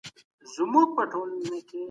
میز څېړنه د هغو کسانو لپاره ده چي اسناد لولي.